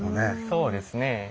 そうですね。